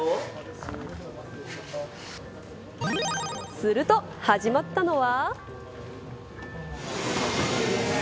すると始まったのは。